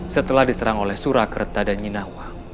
setelah diserang oleh surakerta dan nyinawang